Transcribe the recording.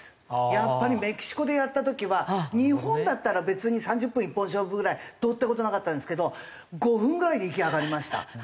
やっぱりメキシコでやった時は日本だったら別に３０分一本勝負ぐらいどうって事なかったんですけど５分ぐらいで息上がりました。